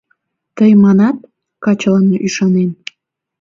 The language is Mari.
Тый манат: качылан ӱшанен